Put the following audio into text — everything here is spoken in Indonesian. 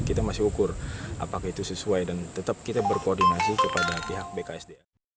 kita masih ukur apakah itu sesuai dan tetap kita berkoordinasi kepada pihak bksda